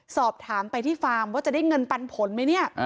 สอบถามไปที่ฟาร์มว่าจะได้เงินปันผลไหมเนี่ย